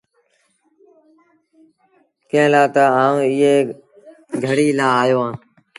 ڪݩهݩ لآ تا آئوٚنٚ ايٚئي گھڙيٚ لآ آيو اهآنٚ۔